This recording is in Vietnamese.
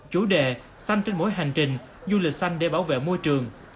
chủ đề xanh trên mỗi hành trình du lịch xanh để bảo vệ môi trường